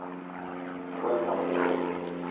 Me gbelé idam ote djeng